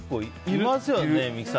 いますよ。